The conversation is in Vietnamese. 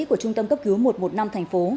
của trung tâm cấp cứu một trăm một mươi năm thành phố